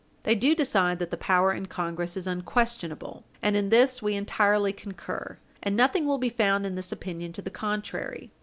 They do decide that the power in Congress is unquestionable, and in this we entirely concur, and nothing will be found in this opinion to the contrary.